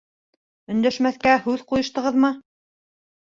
— Өндәшмәҫкә һүҙ ҡуйыштығыҙмы?